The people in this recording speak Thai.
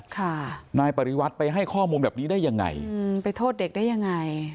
ค่ะนายปริวัติไปให้ข้อมูลแบบนี้ได้ยังไงอืมไปโทษเด็กได้ยังไง